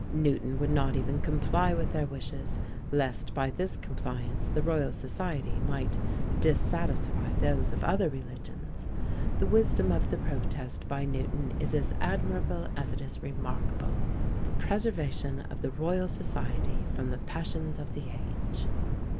Newton would not even comply with their wishes, lest by this compliance the Royal Society might "dissatisfy those of other religions." The wisdom of the protest by Newton is as admirable as it is remarkable, the preservation of the Royal Society from the passions of the age.